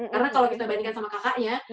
karena kalau kita bandingkan sama kakaknya